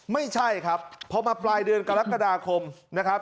ไม่ใช่ครับพอมาปลายเดือนกรกฎาคมนะครับ